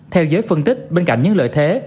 theo giới phân tích bên cạnh những lợi thế